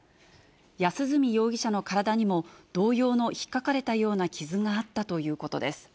安栖容疑者の体にも、同様のひっかかれたような傷があったということです。